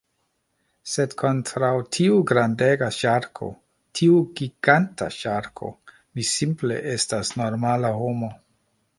Sed kontraŭ tiu grandega ŝarko, tiu giganta ŝarko, mi simple estas normala homo.